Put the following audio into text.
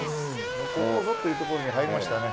ここぞという所に入りましたね。